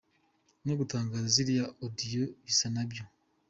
No gutangaza ziriya audios bisa na byo!